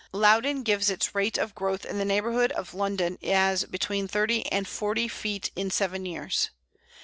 Loudon gives its rate of growth in the neighbourhood of London as between thirty and forty feet in seven years!